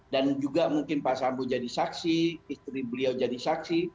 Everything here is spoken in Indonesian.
dan juga mungkin pak sambu jadi saksi istri beliau jadi saksi